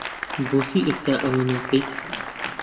بۆچی ئێستا ئەوە ناکەیت؟